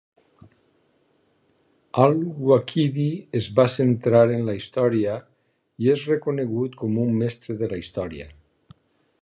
Al-Waqidi es va centrar en la història i és reconegut com un mestre de la història.